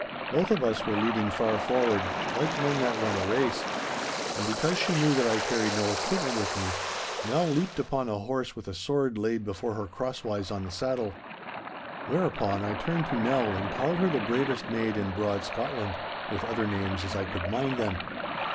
Both of us were leaning far forward, like men that run a race. And because she knew that I carried no equipment with me, Nell leaped upon a horse with a sword laid before her crosswise on the saddle. Whereupon I turned to Nell and called her the bravest maid in broad Scotland, with other names as I could mind them.